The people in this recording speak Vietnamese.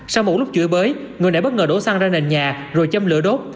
sau một lúc chửi bới người đã bất ngờ đổ xăng ra nền nhà rồi châm lửa đốt